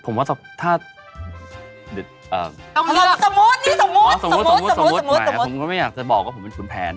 เมื่อก่อนก็มีภูมิก็เลยเฉย